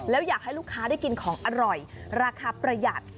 แล้วอยากให้ลูกค้าได้กินของอร่อยราคาประหยัด